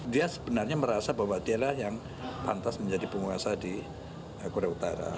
dia sebenarnya merasa bahwa dialah yang pantas menjadi penguasa di korea utara